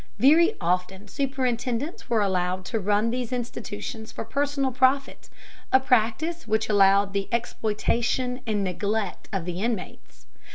Very often superintendents were allowed to run these institutions for personal profit, a practice which allowed the exploitation and neglect of the inmates.